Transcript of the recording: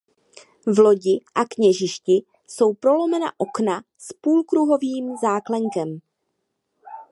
V lodi a kněžišti jsou prolomena okna s půlkruhovým záklenkem.